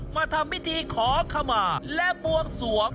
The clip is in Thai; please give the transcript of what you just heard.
มาทำพิธีขอขมาและบวงสวง